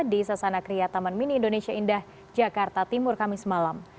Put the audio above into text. di sasana kria taman mini indonesia indah jakarta timur kamis malam